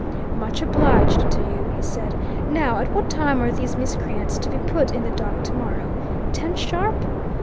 "Much obliged to you," he said. "Now, at what time are these miscreants to be put in the dock tomorrow? Ten sharp?